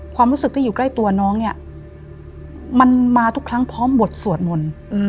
ความรู้สึกที่อยู่ใกล้ตัวน้องเนี่ยมันมาทุกครั้งพร้อมบทสวดมนต์